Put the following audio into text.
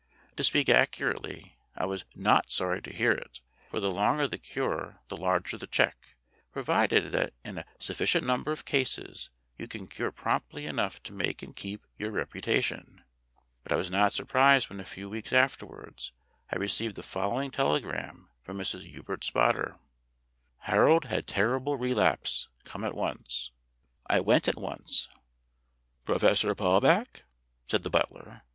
To speak accurately, I was not sorry to hear it, for the longer the cure the larger the cheque provided that in a sufficient number of cases you can cure promptly enough to make and keep your reputation. But I was not surprised when a few weeks afterwards I received the following telegram from Mrs. Hubert Spotter: "Harold had terrible relapse. Come at once." I went at once. "Professor Palbeck?" said the but ler.